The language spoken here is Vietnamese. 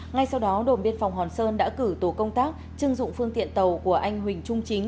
ngay sau đó đồn biên phòng hòn sơn đã cử tổ công tác chưng dụng phương tiện tàu của anh huỳnh trung chính